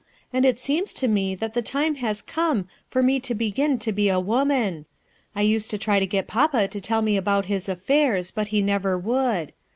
and it seems to me that the time has come for me to begin to be a woman, I used to try to get papa to tell me about his affairs, but he never would.